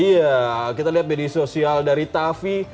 iya kita lihat media sosial dari tavi